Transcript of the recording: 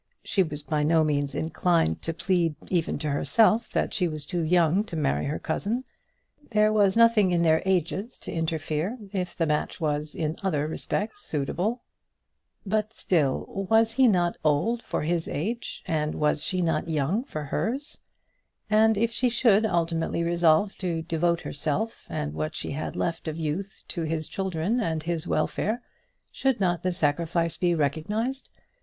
She was by no means inclined to plead, even to herself, that she was too young to marry her cousin; there was nothing in their ages to interfere, if the match was in other respects suitable. But still, was not he old for his age, and was not she young for hers? And if she should ultimately resolve to devote herself and what she had left of youth to his children and his welfare, should not the sacrifice be recognised?